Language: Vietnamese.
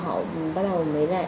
không có máy viết sạc